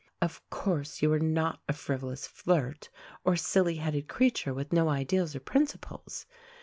Of course you are not a frivolous flirt, or a silly headed creature with no ideals or principles.